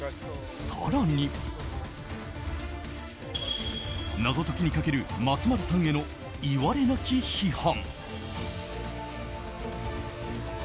更に、謎解きにかける松丸さんへのいわれなき批判。